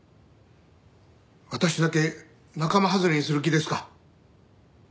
私だけ仲間外れにする気ですか。